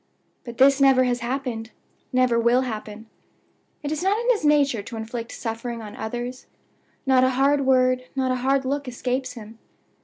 "But this never has happened never will happen. It is not in his nature to inflict suffering on others. Not a hard word, not a hard look, escapes him.